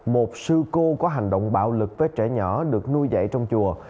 một sư cô có hành động bạo lực với trẻ nhỏ được nuôi dậy trong chùa